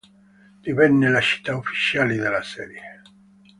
Divenne la città ufficiale della serie.